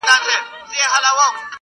• د بېوزلانو په خوله سوې خاوري -